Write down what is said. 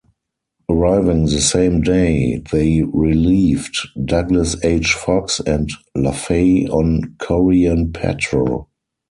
Arriving the same day, they relieved "Douglas H. Fox" and "Laffey" on Korean patrol.